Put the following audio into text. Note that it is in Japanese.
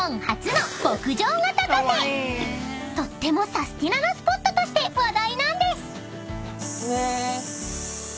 ［とってもサスティななスポットとして話題なんです］